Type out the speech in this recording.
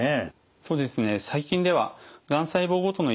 そうですね